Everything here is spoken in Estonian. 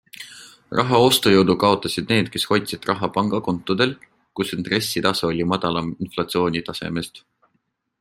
Raha ostujõudu kaotasid need, kes hoidsid raha pangakontodel, kus intressitase oli madalam inflatsioonitasemest.